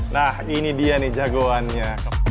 nah ini dia nih jagoannya